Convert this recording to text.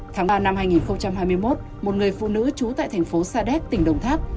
tháng ba năm hai nghìn hai mươi một một người phụ nữ trú tại thành phố sa đéc tỉnh đồng tháp